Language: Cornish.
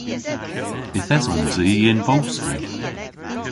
Yth esons i yn bosti.